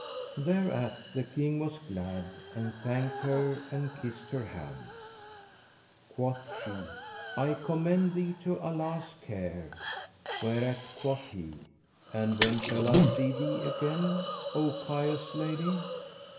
Thereat the King was glad and thanked her and kissed her hands. Quoth she, 'I commend thee to Allah's care;' whereat quoth he, 'And when shall I see thee again, O pious lady?